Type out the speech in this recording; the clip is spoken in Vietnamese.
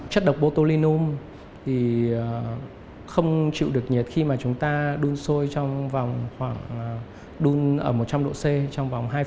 chất độc botulinum thì không chịu được nhiệt khi mà chúng ta đun sôi trong vòng khoảng đun ở một trăm linh độ c trong vòng hai mươi